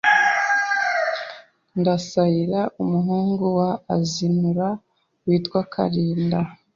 Ndasaira umuhungu wa azinura witwa Karinda